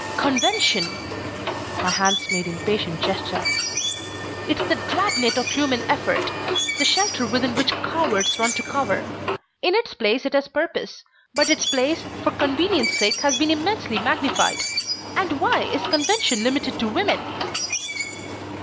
"Convention!" My hands made impatient gesture. "It's the drag net of human effort, the shelter within which cowards run to cover. In its place it has purpose, but its place, for convenience sake, has been immensely magnified. And why is convention limited to women?"